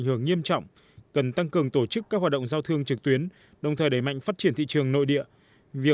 việc tăng cường tổ chức các hoạt động giao thương trực tuyến đồng thời đẩy mạnh phát triển thị trường nội địa